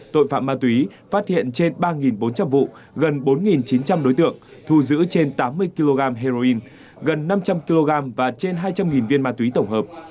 tội phạm ma túy phát hiện trên ba bốn trăm linh vụ gần bốn chín trăm linh đối tượng thu giữ trên tám mươi kg heroin gần năm trăm linh kg và trên hai trăm linh viên ma túy tổng hợp